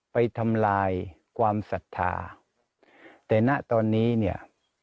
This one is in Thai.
ไปทำลายความศรัทธาแต่ณตอนนี้เนี่ย